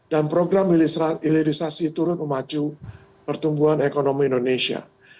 dan program ilirisasi turut memacu pertumbuhan ekonomi indonesia